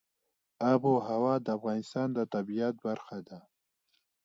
آب وهوا د افغانستان د طبیعت برخه ده.